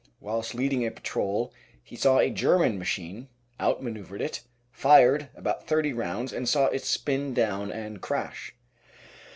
whilst leading a patrol, he saw a German machine, out manoeuvred it, fired about thirty rounds and saw it spin down and crash.